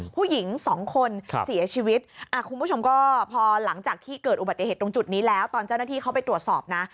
ผู้หญิงสองคนเสียชีวิตคุณผู้ชมก็พอหลังจากที่เกิดอุบัติเหตุตรงจุดนี้แล้วตอนเจ้าหน้าที่เข้าไปตรวจสอบนะ